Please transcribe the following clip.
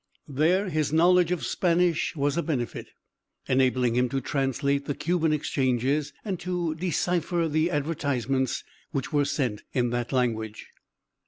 There his knowledge of Spanish was a benefit, enabling him to translate the Cuban exchanges, and to decipher the advertisements which were sent in that language.